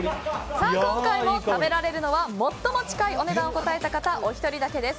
今回も食べられるのは最も近いお値段を答えた方お一人だけです。